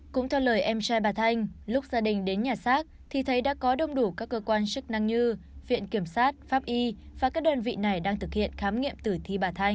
cũng theo lời em trai bà thanh lúc gia đình đến nhà xác thì thấy đã có đông đủ các cơ quan chức năng như viện kiểm sát pháp y và các đơn vị này đang thực hiện khám nghiệm tử thi bà thanh